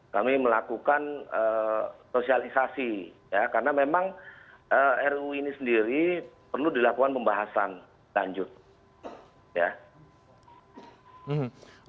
kami melakukan sosialisasi ya karena memang ruu ini sendiri perlu dilakukan pembahasan lanjut